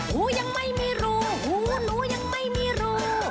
หูยังไม่มีรูหูหนูยังไม่มีรู